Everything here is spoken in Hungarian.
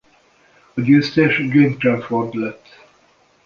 A győztes Jim Crawford lett.